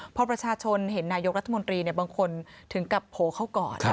พอประชาชนเห็นนายกรัฐมนตรีบางคนถึงกับโผล่เข้าก่อน